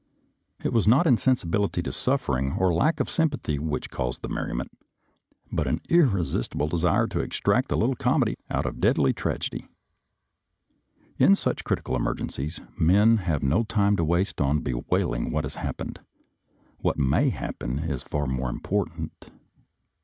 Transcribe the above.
It was not insensi bility to suffering or lack of sympathy which caused the merriment, but an irresistible desire to extract a little comedy out of deadly tragedy. In such critical emergencies men have no time to waste in bewailing what has happened; what may happen is far more important.